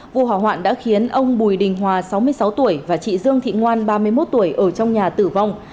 vụ hỏa hoạn đã khiến ông bùi đình hòa sáu mươi sáu tuổi và chị dương thị ngoan ba mươi một tuổi ở trong nhà tử vong